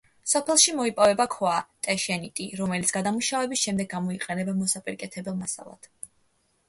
სოფელში მოიპოვება ქვა ტეშენიტი, რომელიც გადამუშავების შემდეგ გამოიყენება მოსაპირკეთებელ მასალად.